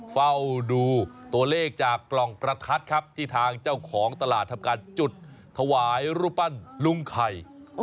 เฝ้าดูตัวเลขจากกล่องประทัดครับที่ทางเจ้าของตลาดทำการจุดถวายรูปปั้นลุงไข่